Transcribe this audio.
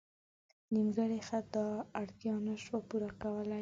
نیمګړی خط دا اړتیا نه شو پوره کولی.